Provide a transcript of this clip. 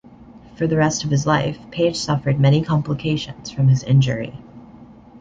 For the rest of his life, Page suffered many complications from his injury.